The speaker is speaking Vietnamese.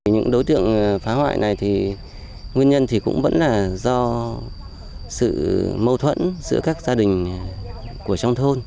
những đối tượng phá hoại này thì nguyên nhân thì cũng vẫn là do sự mâu thuẫn giữa các gia đình của trong thôn